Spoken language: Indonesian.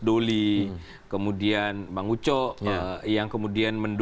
doly kemudian bang uco yang kemudian